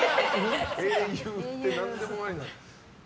英雄って何でもありなの。